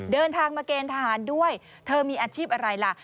เดินทางมาเกณฑ์ทหารด้วยเธอมีอาชีพอะไรล่ะ